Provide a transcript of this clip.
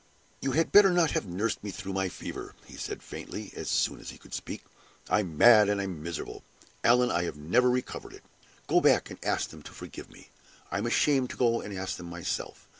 "You had better not have nursed me through my fever," he said, faintly, as soon as he could speak. "I'm mad and miserable, Allan; I have never recovered it. Go back and ask them to forgive me; I am ashamed to go and ask them myself.